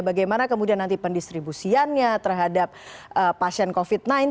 bagaimana kemudian nanti pendistribusiannya terhadap pasien covid sembilan belas